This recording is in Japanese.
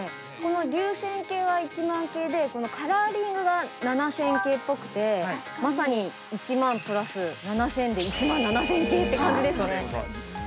流線型は１００００系でこのカラーリングが７０００系っぽくてまさに１００００プラス７０００で１７０００系って感じですよね。